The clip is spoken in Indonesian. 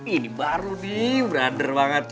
ini baru nih brother banget